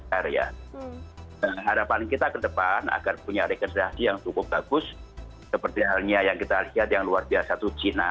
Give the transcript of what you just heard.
harapan kita ke depan agar punya regenerasi yang cukup bagus seperti halnya yang kita lihat yang luar biasa itu cina